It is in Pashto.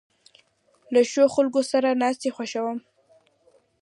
زه له ښو خلکو سره ناستې خوښوم.